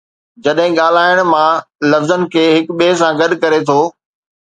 جڏهن ڳالهائڻ، مان لفظن کي هڪ ٻئي سان گڏ ڪري ٿو